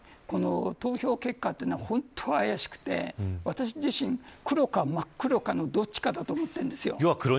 投票結果というのは本当に怪しくて私自身、黒か真っ黒かのどっちかだと思っているんですよ。